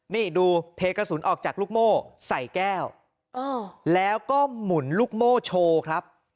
นี่ดูเทกระสุนออกจากลูกโม่ใส่แก้วแล้วก็หมุนลูกโม่โชว์ครับ